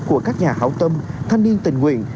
của các nhà hảo tâm thanh niên tình nguyện